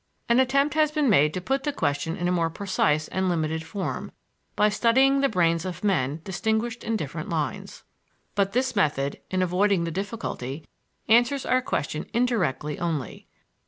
An attempt has been made to put the question in a more precise and limited form by studying the brains of men distinguished in different lines. But this method, in avoiding the difficulty, answers our question indirectly only.